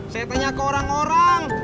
saya tanya ke orang orang